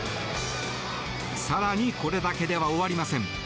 更にこれだけでは終わりません。